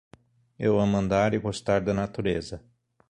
Eu amo andar e gostar da natureza.